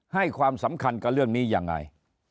ให้ความสำคัญกับเรื่องนี้ยังไง